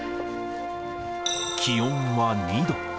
気温は２度。